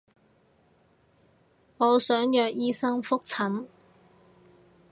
我想約醫生覆診